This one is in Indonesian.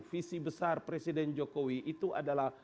visi besar presiden jokowi itu adalah